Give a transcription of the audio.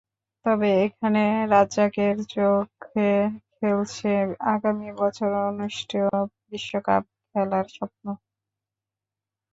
তবে এখনো রাজ্জাকের চোখে খেলছে আগামী বছর অনুষ্ঠেয় বিশ্বকাপ খেলার স্বপ্ন।